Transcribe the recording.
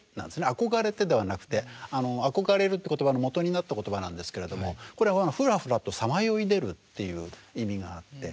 「憧れて」ではなくて憧れるっていう言葉のもとになった言葉なんですけれどもこれはふらふらとさまよい出るっていう意味があって。